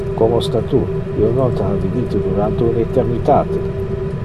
Como sta tu? Io non te ha vidite durante un eternitate!